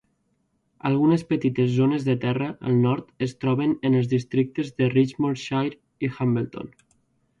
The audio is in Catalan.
Algunes petites zones de terra al nord es troben en els districtes de Richmondshire i Hambleton.